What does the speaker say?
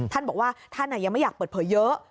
ท่านบอกว่าท่านยังไม่อยากเปิดเผยเยอะ